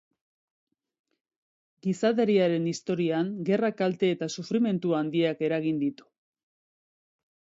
Gizateriaren historian gerrak kalte eta sufrimendu handiak eragin ditu.